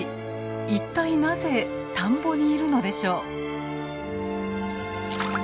一体なぜ田んぼにいるのでしょう？